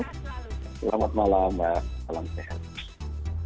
selamat malam dan selamat berhenti